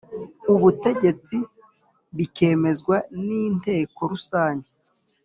Ubutegetsi bikemezwa n Inteko Rusange